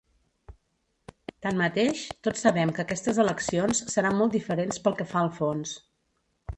Tanmateix, tots sabem que aquestes eleccions seran molt diferents pel que fa al fons.